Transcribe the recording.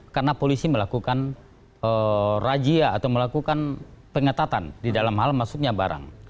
karena polisi melakukan rajia atau melakukan pengetatan di dalam hal masuknya barang